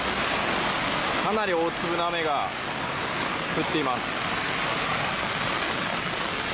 かなり大粒の雨が降っています。